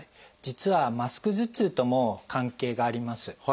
実はマスク頭痛とも関係があります。